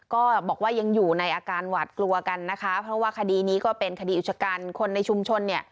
ก็บอกว่ายังอยู่ในอาการหวาดกลัวกันนะคะเพราะว่าคดีนี้ก็เป็นคดีอุชกันคนในชุมชนเนี่ย